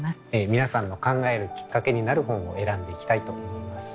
皆さんの考えるきっかけになる本を選んでいきたいと思います。